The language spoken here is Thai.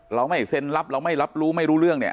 เราไม่เซ็นรับเราไม่รับรู้ไม่รู้เรื่องเนี่ย